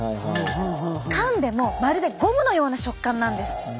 かんでもまるでゴムのような食感なんです。